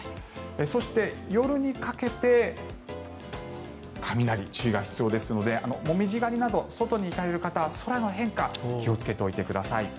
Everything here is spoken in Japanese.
そして夜にかけて雷、注意が必要ですのでモミジ狩りなど外に行かれる方は空の変化気をつけておいてください。